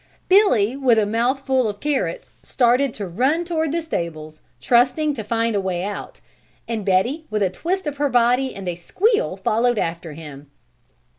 Billy, with a mouthful of carrots, started to run toward the stables, trusting to find a way out and Betty with a twist of her body and a squeal followed after him.